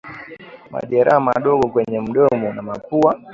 Majeraha madogo kwenye mdomo na pua